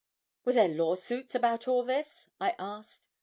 'Were there law suits about all this?' I asked.